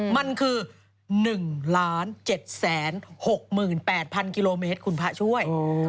มันคือ๑๗๖๘๐๐กิโลเมตรคุณพระช่วย